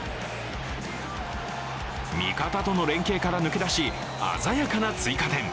味方との連係から抜け出し、鮮やかな追加点。